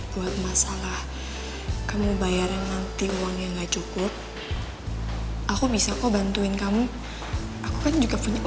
bukit mengganggu uangnya